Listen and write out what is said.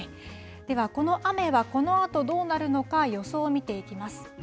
では、この雨はこのあとどうなるのか、予想を見ていきます。